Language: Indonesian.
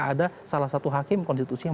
ada salah satu hakim konstitusi yang